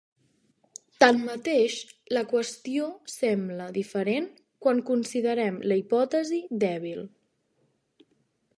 Tanmateix, la qüestió sembla diferent quan considerem la hipòtesi dèbil.